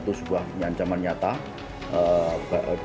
dan serahkan sejarah cloka